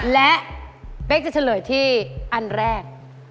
และเป๊กจะเฉลยที่อันแรก